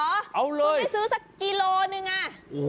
กูไม่ซื้อสักกิโลนึงอ่ะ